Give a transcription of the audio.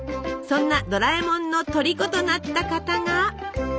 そんなドラえもんのとりことなった方が。